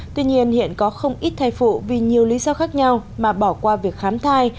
tuy nhiên hiện có không ít thai phụ vì nhiều lý do khác nhau mà bỏ qua việc khám thai